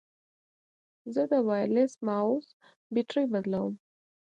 زه د وایرلیس ماؤس بیټرۍ بدلوم.